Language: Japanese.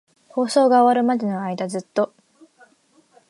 放送が終わるまでの間、ずっと。